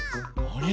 あれ？